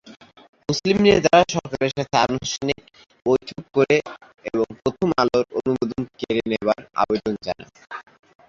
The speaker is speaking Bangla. মুসলিম নেতারা সরকারের সাথে আনুষ্ঠানিক বৈঠক করে এবং প্রথম আলোর অনুমোদন কেড়ে নেবার আবেদন জানায়।